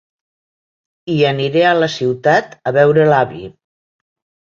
I aniré a la ciutat a veure l'avi.